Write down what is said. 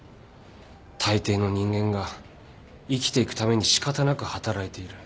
たいていの人間が生きていくために仕方なく働いている。